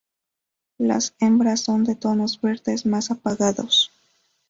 Las hembras son de tonos verdes más apagados.